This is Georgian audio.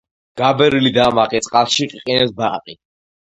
გაბერილი და ამაყი წყალში ყიყინებს ბაყაყი.